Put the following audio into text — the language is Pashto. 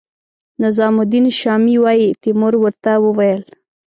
نظام الدین شامي وايي تیمور ورته وویل.